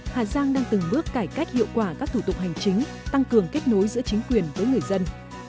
hà giang đang từng bước cải cách hiệu quả các thủ tục hành chính tăng cường kết nối giữa chính quyền với người dân